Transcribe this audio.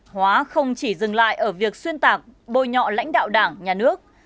hóa không chỉ dừng lại ở việc xuyên tạc bôi nhọ lãnh đạo đảng nhà nước